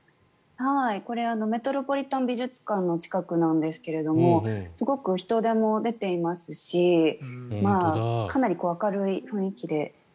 これはメトロポリタン美術館の近くなんですがすごく人出も出ていますしかなり明るい雰囲気で。